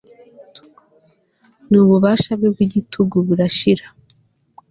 nububasha bwe bwigitugu burashira